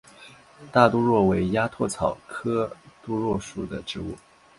大杜若为鸭跖草科杜若属的植物。